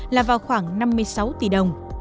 là vào khoảng năm mươi sáu tỷ đồng